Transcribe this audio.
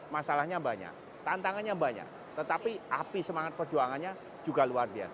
masalahnya banyak tantangannya banyak tetapi api semangat perjuangannya juga luar biasa